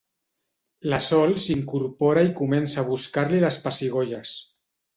La Sol s'incorpora i comença a buscar-li les pessigolles.